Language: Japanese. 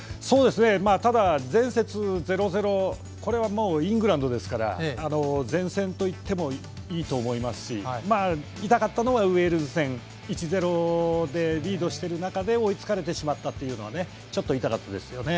ただ、前節０−０これはイングランドですから善戦と言ってもいいと思いますし痛かったのはウェールズ戦、１−０でリードしていた中で追いつかれてしまったというのは痛かったですね。